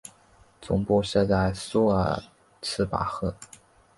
总部设在苏尔茨巴赫。